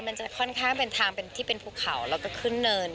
มันจะค่อนข้างเป็นทางที่เป็นภูเขาแล้วก็ขึ้นเนิน